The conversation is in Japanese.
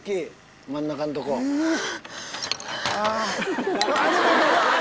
真ん中んとこ。なぁ！